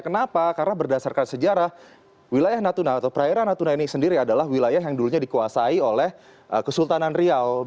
kenapa karena berdasarkan sejarah wilayah natuna atau perairan natuna ini sendiri adalah wilayah yang dulunya dikuasai oleh kesultanan riau